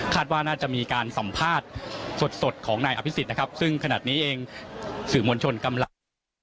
ว่าน่าจะมีการสัมภาษณ์สดของนายอภิษฎนะครับซึ่งขณะนี้เองสื่อมวลชนกำลัง